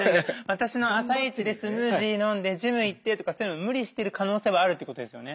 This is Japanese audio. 私の朝一でスムージー飲んでジム行ってとかそういうの無理してる可能性はあるってことですよね？